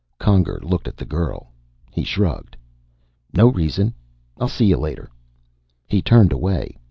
Conger looked at the girl. He shrugged. "No reason. I'll see you later." He turned away.